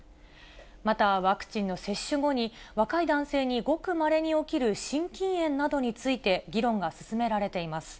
またワクチンの接種後に、若い男性にごくまれに起きる心筋炎などについて、議論が進められています。